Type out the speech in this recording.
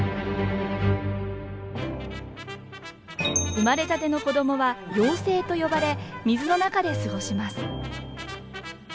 生まれたての子供は幼生と呼ばれ水の中で過ごします。